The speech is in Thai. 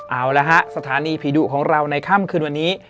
เอาละฮะสถานีผีดุของเราในค่ำคืนวันนี้